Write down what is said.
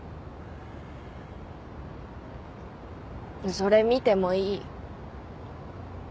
それ見てもいい？